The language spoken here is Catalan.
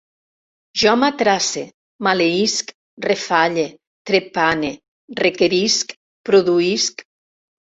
Jo matrasse, maleïsc, refalle, trepane, requerisc, produïsc